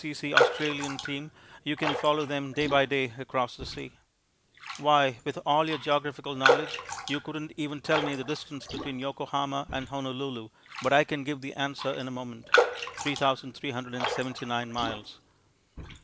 C.C. Australian team you can follow them day by day across the sea. Why, with all your geographical knowledge you couldn't even tell me the distance between Yokohama and Honolulu, but I can give the answer in a moment 3,379 miles.